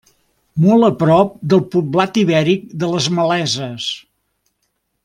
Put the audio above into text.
Molt a prop del poblat ibèric de les Maleses.